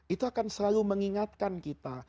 itu akan selalu mengingatkan kita